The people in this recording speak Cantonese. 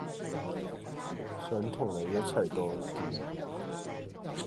想同你一齊多啲